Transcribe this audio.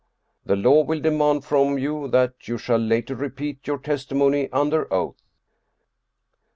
The law will demand from you that you shall later repeat your testimony under oath."